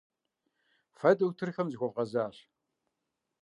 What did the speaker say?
Фэ дохутырхэм захуэвгъэзащ.